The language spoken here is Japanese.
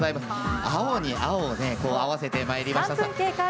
青に青を合わせてまいりました。